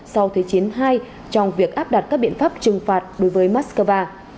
sau thế chiến ii trong việc áp đặt các biện pháp trừng phạt đối với moskova